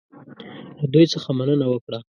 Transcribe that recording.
له دوی څخه مننه وکړه.